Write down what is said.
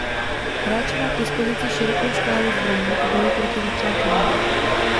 Hráč má k dispozici širokou škálu zbraní k boji proti nepřátelům.